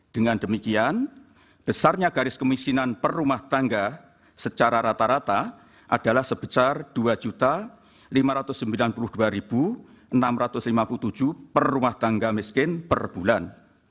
dengan demikian besarnya garis kemiskinan per rumah tangga secara rata rata adalah sebesar dua lima ratus sembilan puluh dua enam ratus lima puluh tujuh per rumah tangga miskin per bulan